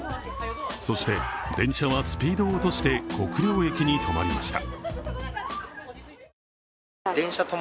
そして、電車はスピードを落として国領駅に止まりました。